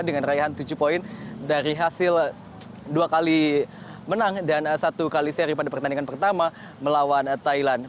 mungkin dari hasil dua kali menang dan satu kali seri pada pertandingan pertama melawan thailand